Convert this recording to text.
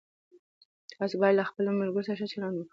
تاسو باید له خپلو ملګرو سره ښه چلند وکړئ.